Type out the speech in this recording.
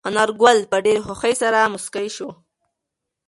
انارګل په ډېرې خوښۍ سره موسکی شو.